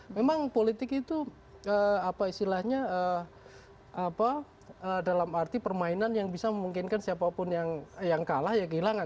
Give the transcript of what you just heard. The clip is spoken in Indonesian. memang politik itu apa istilahnya dalam arti permainan yang bisa memungkinkan siapapun yang kalah ya kehilangan